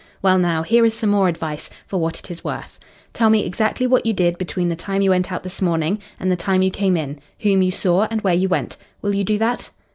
Well, now, here is some more advice for what it is worth. Tell me exactly what you did between the time you went out this morning and the time you came in whom you saw and where you went. Will you do that?"